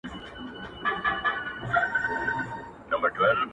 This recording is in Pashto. راته مخ کې د ښادیو را زلمي مو یتیمان کې؛